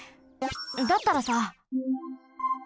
だったらさ。